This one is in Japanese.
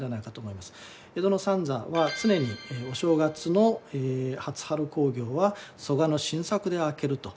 江戸の三座は常にお正月の初春興行は曽我の新作で明けると。